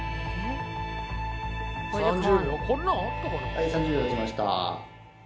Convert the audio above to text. はい３０秒経ちました。